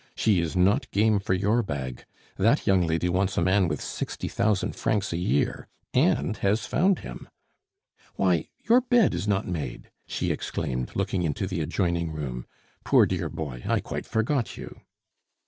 She is not game for your bag; that young lady wants a man with sixty thousand francs a year and has found him! "Why, your bed is not made!" she exclaimed, looking into the adjoining room. "Poor dear boy, I quite forgot you!"